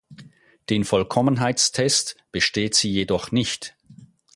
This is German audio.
Den Vollkommenheitstest besteht sie jedoch nicht.